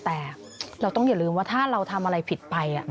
แต่เราต้องอย่าลืมว่าถ้าเราทำอะไรผิดไป